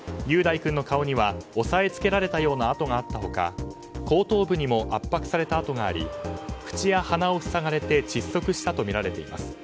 雄大君の顔には抑えつけられたような痕があった他後頭部にも圧迫された痕があり口や鼻を塞がれて窒息したとみられています。